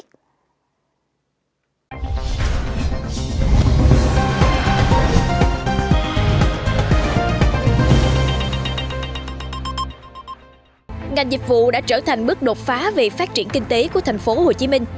trở thành bước đột phá về phát triển kinh tế của thành phố hồ chí minh